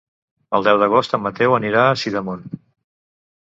El deu d'agost en Mateu anirà a Sidamon.